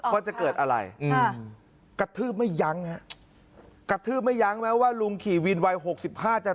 ว่าจะเกิดอะไรกระทืบไม่ยั้งฮะกระทืบไม่ยั้งแม้ว่าลุงขี่วินวัยหกสิบห้าจะ